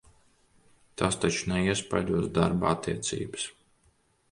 Tas taču neiespaidos darba attiecības?